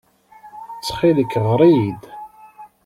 Ttxil-k, ɣer-iyi-d.